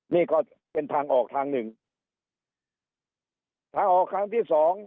นี่ก็เป็นทางออกทางหนึ่งถ้าออกครั้งที่สอง